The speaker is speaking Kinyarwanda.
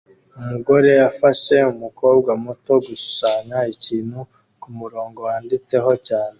Umugore afasha umukobwa muto gushushanya ikintu kumurongo wanditseho cyane